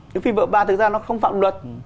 nhưng phim vợ ba thực ra nó không phạm luật